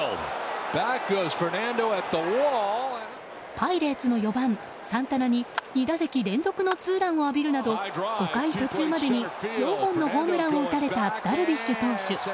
パイレーツの４番、サンタナに２打席連続のツーランを浴びるなど５回途中までに４本のホームランを打たれたダルビッシュ投手。